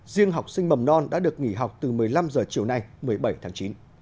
riêng học sinh mầm non đã được nghỉ học từ một mươi năm h chiều nay một mươi bảy tháng chín